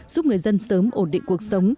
giúp người dân sớm ổn định cuộc sống